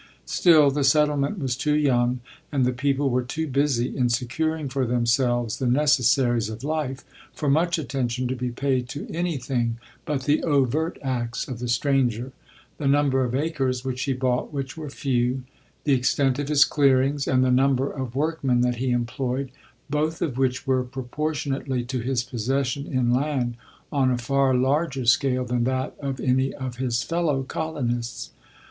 Still the settlement was too young, and the people were too busy in securing; for themselves the necessaries of life, for much attention to be paid to any thing LODORE. 13 but the " overt acts" of the stranger — the num ber of acres which he bought, which were few, the extent of his clearings, and the number of workmen that he employed, both of which were, proportionately to his possession in land, on a far larger scale than that of any of his fellow colonists.